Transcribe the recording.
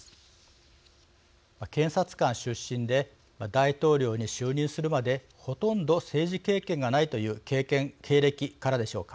検察官出身で大統領に就任するまでほとんど政治経験がないという経歴からでしょうか。